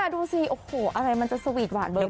ดูสิโอ้โหอะไรมันจะสวีทหวานเบอร์